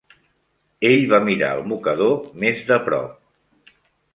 Ell va mirar el mocador més de prop.